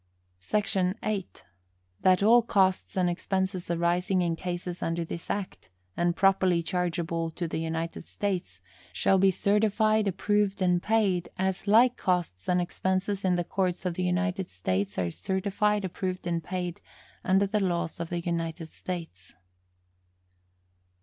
SEC. 8. That all costs and expenses arising in cases under this Act, and properly chargeable to the United States, shall be certified, approved and paid as like costs and expenses in the courts of the United States are certified, approved and paid under the laws of the United States.